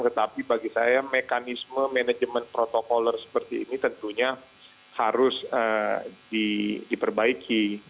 tetapi bagi saya mekanisme manajemen protokoler seperti ini tentunya harus diperbaiki